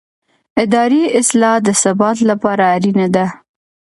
اداري اصلاح د ثبات لپاره اړینه ده